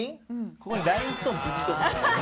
ここにラインストーンをぶち込む。